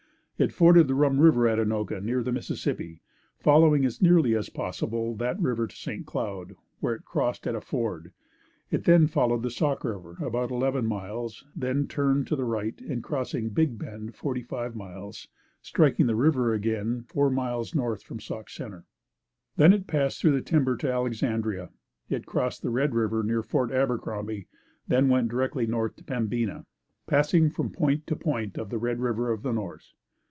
It forded the Rum River at Anoka, near the Mississippi, following as nearly as possible that river to St. Cloud, where it crossed at a ford. It then followed the Sauk River about eleven miles; then turned to the right and crossed Big Bend forty five miles, striking the river again four miles north from Sauk Center. Then it passed through the timber to Alexandria. It crossed Red River near Fort Abercrombie; then went directly north to Pembina, passing from point to point of the Red River of the North.